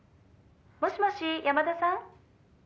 「もしもし山田さん？」